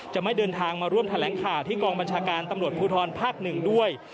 จะไม่เดินทางมาร่วมแถลงข่าวที่กองบัญชาการตำรวจภูทรภาค๑ด้วย